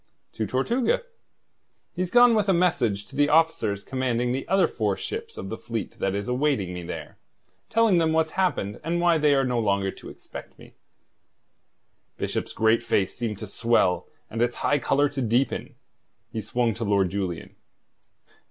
"To Tortuga. He's gone with a message to the officers commanding the other four ships of the fleet that is awaiting me there, telling them what's happened and why they are no longer to expect me." Bishop's great face seemed to swell and its high colour to deepen. He swung to Lord Julian.